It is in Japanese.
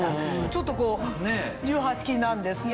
ちょっとこう１８金なんですよ！